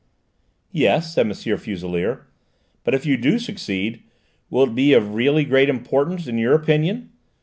"Yes," said M. Fuselier, "but if you do succeed, will it be of really great importance in your opinion?